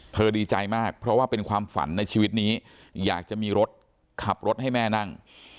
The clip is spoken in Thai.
ดีใจมากเพราะว่าเป็นความฝันในชีวิตนี้อยากจะมีรถขับรถให้แม่นั่ง